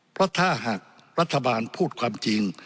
เพราะถ้าหากรัฐบาลพูดความจริง